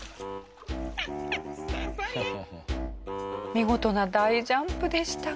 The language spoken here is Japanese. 見事な大ジャンプでしたが。